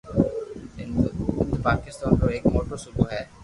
سندھ پاڪستان رو ايڪ موٽو صوبو ھي